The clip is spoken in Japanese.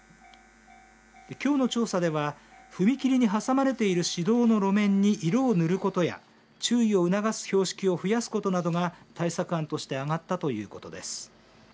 きょうの調査では踏切に挟まれている市道の路面に色を塗ることや注意を促す標識を増やすことなどが対策案として挙がったということです。